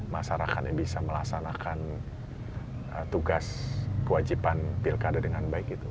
masyarakat yang bisa melaksanakan tugas kewajiban pilkada dengan baik itu